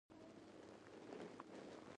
ایا معاینات دلته کیږي؟